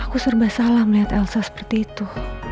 aku serba salah melihat elsa seperti itu